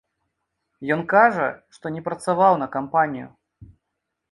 Ён кажа, што не працаваў на кампанію.